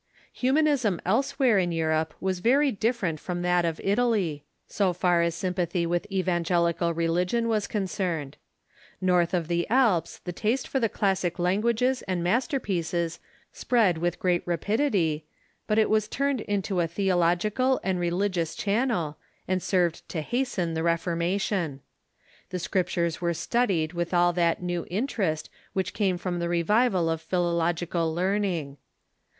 Humanism elsewhere in Europe was very different from that of Italy, so far as sympathy with evangelical religion was concerned. North of the Alps the taste for the clas eisewh'ere ^^° languages and masterpieces spread Avith great rapidity, but it was turned into a theological and re ligious channel, and served to hasten the Reformation. The Scriptures were studied with all that new interest which came from the revival of philological learning.